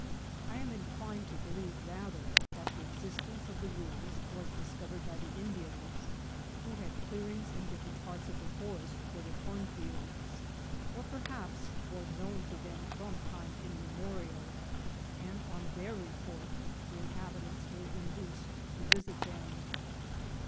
I am inclined to believe rather that the existence of the ruins was discovered by the Indians, who had clearings in different parts of the forest for their corn fields, or perhaps was known lo them from time immemorial, and on their report the inhabitants were induced to visit them.